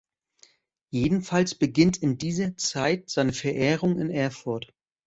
Jedenfalls beginnt in dieser Zeit seine Verehrung in Erfurt.